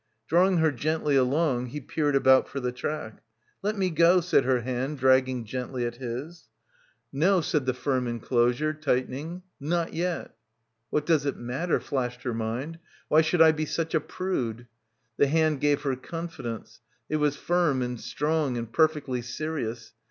Drawing her gently along, he peered about for the track. "Let me go," said her hand dragging gently at his. "No," said the firm enclosure, tightening, "not yet." — 260 — BACKWATER What does it matter? flashed her mind. Why should I be such a prude? The hand gave her confidence. It was firm and strong and perfectly serious.